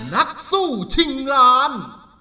นักสู้ชิงล้าน